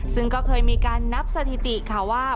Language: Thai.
ซึ่งก็เคยมีการนับสถิติค่ะว่า